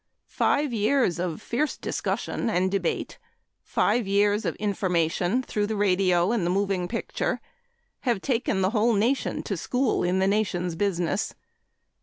Five years of fierce discussion and debate five years of information through the radio and the moving picture have taken the whole nation to school in the nation's business.